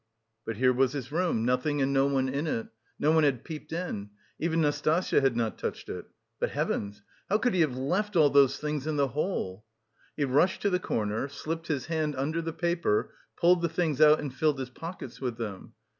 But here was his room. Nothing and no one in it. No one had peeped in. Even Nastasya had not touched it. But heavens! how could he have left all those things in the hole? He rushed to the corner, slipped his hand under the paper, pulled the things out and lined his pockets with them.